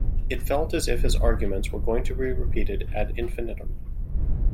It felt as if his arguments were going to be repeated ad infinitum